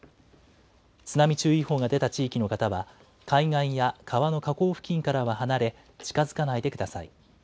津波注意報が出た地域の方は、海岸や川の河口付近からは離れ、近づかないでください。